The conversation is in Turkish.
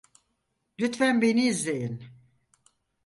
Lütfen beni izleyin.